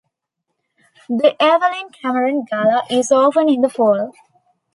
The Evelyn Cameron Gala is often in the fall.